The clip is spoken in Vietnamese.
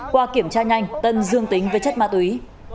qua kiểm tra nhanh tân dương tính với chất ma túy